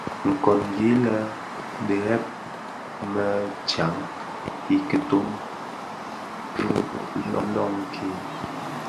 Nkongi lè bidheb më jaň i kiton fee loňkin.